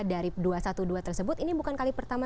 dari dua ratus dua belas tersebut ini bukan kali pertama